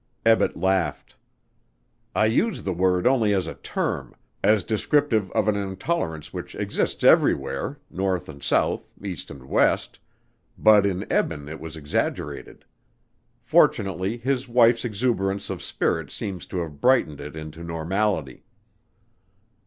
Ebbett laughed. "I use the word only as a term as descriptive of an intolerance which exists everywhere, north and south, east and west but in Eben it was exaggerated. Fortunately, his wife's exuberance of spirit seems to have brightened it into normality."